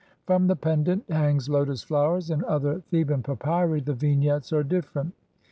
From the pendant hang lotus flowers. In other Thcban papyri the vignettes are different.